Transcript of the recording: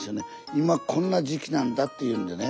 今こんな時期なんだっていうんでね。